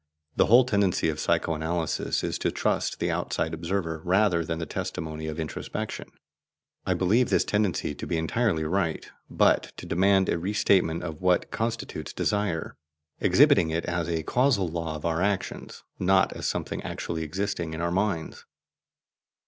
The whole tendency of psycho analysis is to trust the outside observer rather than the testimony of introspection. I believe this tendency to be entirely right, but to demand a re statement of what constitutes desire, exhibiting it as a causal law of our actions, not as something actually existing in our minds.